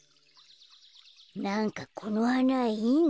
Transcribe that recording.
なんかこのはないいな。